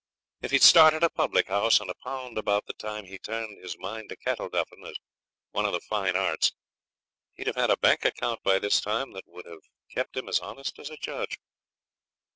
If he'd started a public house and a pound about the time he turned his mind to cattle duffing as one of the fine arts, he'd have had a bank account by this time that would have kept him as honest as a judge.